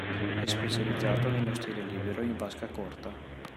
È specializzato nello stile libero in vasca corta.